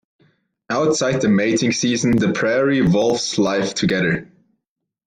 Outside the mating seasons, the prairie voles live together.